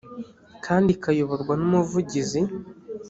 kandi ikayoborwa n umuvugizi